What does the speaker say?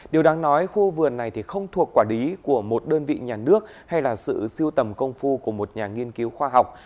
điều đáng nói khu vườn này không thuộc quản lý của một đơn vị nhà nước hay là sự siêu tầm công phu của một nhà nghiên cứu khoa học